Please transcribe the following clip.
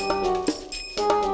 makniman tolong tutupin lirah